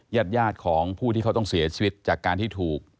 ญาติของผู้ที่เขาต้องเสียชีวิตจากการที่ถูก